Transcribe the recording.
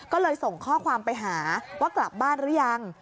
ก็เลยส่งข้อความไปหาว่ากลับบ้านหรือยัง